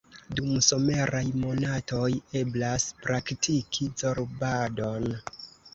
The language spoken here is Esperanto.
Dum someraj monatoj eblas praktiki zorbadon.